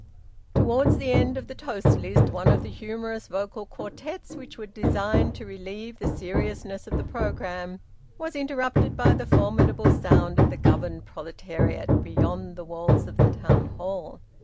Towards the end of the toast list one of the humorous vocal quartets which were designed to relieve the seriousness of the programme, was interrupted by the formidable sound of the governed proletariat beyond the walls of the Town Hall.